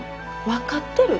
分かってる。